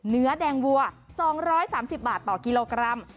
เนื้อแดงวัว๒๓๐บาทต่อกิโลกรัม